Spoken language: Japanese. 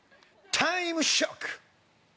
タイムショック！